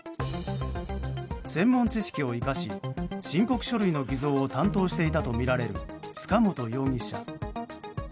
専門知識を生かし申告書類の偽造を担当していたとみられる塚本容疑者。